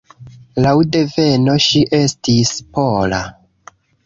Laŭ deveno ŝi estis pola.